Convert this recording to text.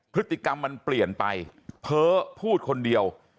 พฤติกรรมมันเปลี่ยนไปเพ้อพูดคนเดียว